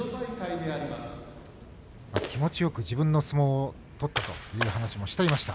気持ちよく自分の相撲を取ったという話もしていました。